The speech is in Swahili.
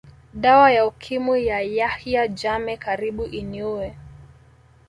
Dawa ya Ukimwi ya Yahya Jammeh karibu iniue